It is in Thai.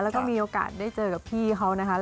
แล้วก็มีโอกาสได้เจอกับพี่เขานะคะ